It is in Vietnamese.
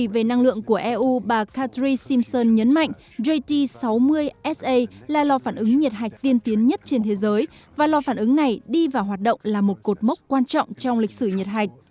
về năng lượng của eu bà katri simson nhấn mạnh jt sáu mươi sa là lò phản ứng nhiệt hạch tiên tiến nhất trên thế giới và lò phản ứng này đi vào hoạt động là một cột mốc quan trọng trong lịch sử nhật hạch